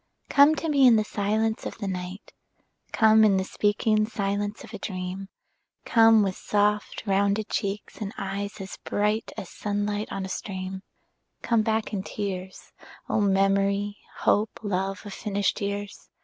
Come to me in the silence of the night; Come in the speaking silence of a dream; Come with soft rounded cheeks and eyes as bright As sunlight on a stream; Come back in tears, O memory, hope, love of finished years.